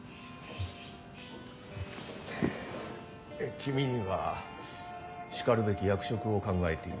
君にはしかるべき役職を考えている。